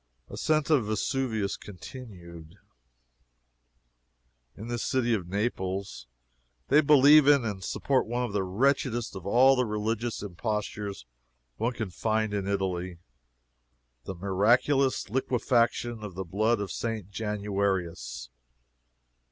ASCENT OF VESUVIUS CONTINUED. In this city of Naples, they believe in and support one of the wretchedest of all the religious impostures one can find in Italy the miraculous liquefaction of the blood of St. Januarius.